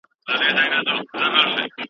آیا په اکراه کې د ویونکي خوښه شرط ده؟